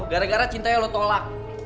gara gara cintanya lo tolak